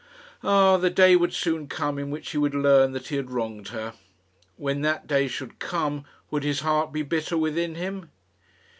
Ah! the day would soon come in which he would learn that he had wronged her. When that day should come, would his heart be bitter within him?